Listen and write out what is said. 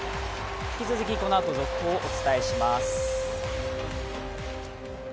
引き続き、このあと続報をお伝えします。